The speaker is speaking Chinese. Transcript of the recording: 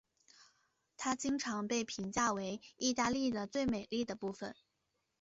它经常被评价为意大利的最美丽的部分。